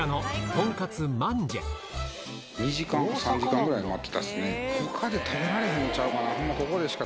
２時間か３時間ぐらい待ってたんですね。